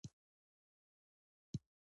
که به بندي بېوزلی و نو بله لاره وه.